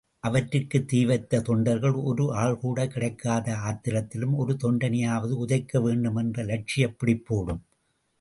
அவற்றிற்கு தீவைத்த தொண்டர்கள், ஒரு ஆள்கூட கிடைக்காத ஆத்திரத்திலும், ஒரு தொண்டனையாவது உதைக்க வேண்டும் என்ற லட்சியப் பிடிப்போடும்.